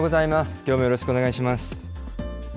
きょうもよろしくお願いします。